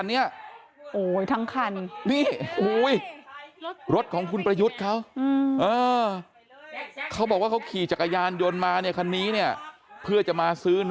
เออโดนเผาเฉยเลยอ่ะค่ะ